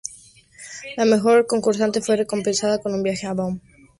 La mejor concursante fue recompensada con un viaje a Broome.